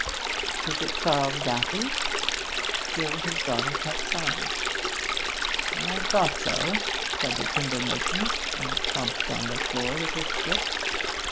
'Is it Charles Daffy?' Still his daughter kept silence. 'I thought so,' said the timber merchant, and clumped on the floor with his stick.